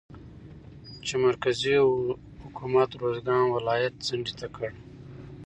چې مرکزي حکومت روزګان ولايت څنډې ته کړى